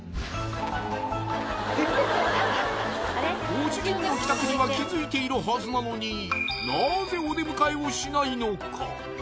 ご主人の帰宅には気づいているはずなのになぜお出迎えをしないのか？